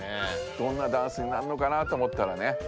どんなダンスになるのかなと思ったらね